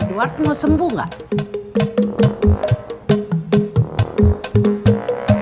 edward mau sembuh nggak